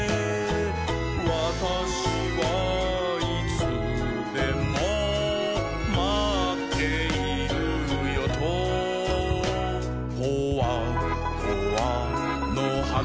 「わたしはいつでもまっているよと」「ポワポワのはな」